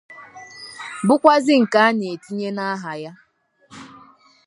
bụkwazị nke a na-etinye n'ahà ya.